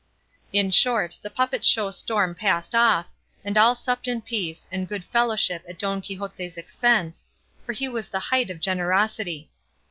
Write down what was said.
In short, the puppet show storm passed off, and all supped in peace and good fellowship at Don Quixote's expense, for he was the height of generosity.